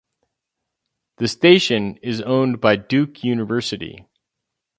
The station is owned by Duke University.